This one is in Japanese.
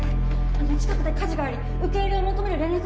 近くで火事があり受け入れを求める連絡が入っています